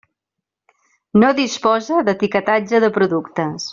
No disposa d'etiquetatge de productes.